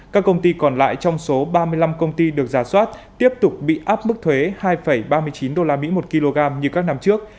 các công ty còn lại trong số ba mươi năm công ty được giả soát tiếp tục bị áp mức thuế hai ba mươi chín usd một kg như các năm trước